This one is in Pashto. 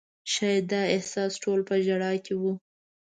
شاید دا احساس ټول په ژړا کړي وو.